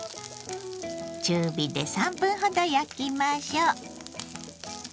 中火で３分ほど焼きましょう。